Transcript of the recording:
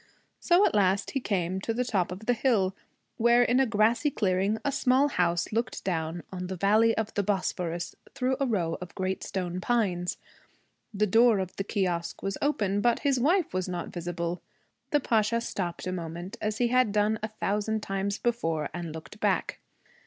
So at last he came to the top of the hill, where in a grassy clearing a small house looked down on the valley of the Bosphorus through a row of great stone pines. The door of the kiosque was open, but his wife was not visible. The Pasha stopped a moment, as he had done a thousand times before, and looked back.